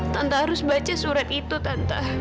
tante harus baca surat itu tante